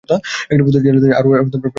প্রতিটি জেলাতেই আরও প্রশাসনিক বিভাগ বিদ্যমান।